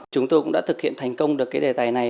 chúng tôi cũng đã thực hiện thành công được cái đề tài này